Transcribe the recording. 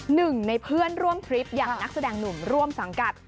หนึ่งในเพื่อนร่วมทริปอย่างนักแสดงหนุ่มร่วมสังกัด